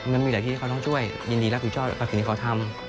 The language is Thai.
มันมีแต่ที่เขาต้องช่วยยินดีรับผิดชอบกับสิ่งที่เขาทำ